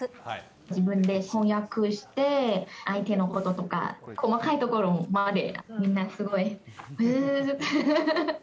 自分で翻訳して、相手のこととか細かいところまで、みんなすごい。